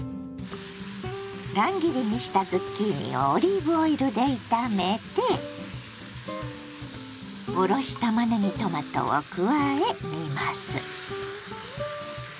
乱切りにしたズッキーニをオリーブオイルで炒めておろしたまねぎトマトを加え煮ます。